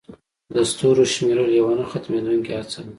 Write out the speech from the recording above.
د ستورو شمیرل یوه نه ختمېدونکې هڅه ده.